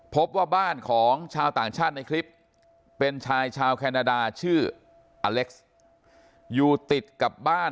พบว่าบ้านของชาวต่างชาติในคลิปเป็นชายชาวแคนาดาชื่ออเล็กซ์อยู่ติดกับบ้าน